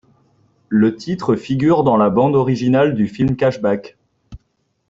Le titre figure dans la bande originale du film Cashback.